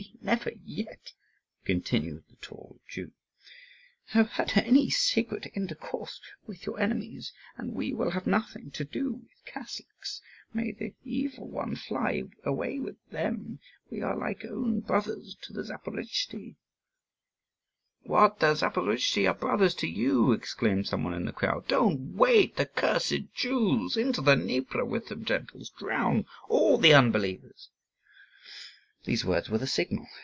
"We never yet," continued the tall Jew, "have had any secret intercourse with your enemies, and we will have nothing to do with Catholics; may the evil one fly away with them! We are like own brothers to the Zaporozhtzi." "What! the Zaporozhtzi are brothers to you!" exclaimed some one in the crowd. "Don't wait! the cursed Jews! Into the Dnieper with them, gentles! Drown all the unbelievers!" These words were the signal.